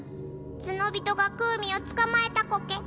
ツノビトがクウミを捕まえたコケ。